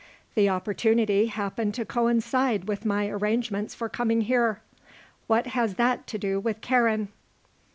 The opportunity happened to coincide with my arrangements for coming here. What has that to do with Karen?"